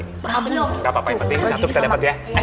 nggak apa apa yang penting satu kita dapat ya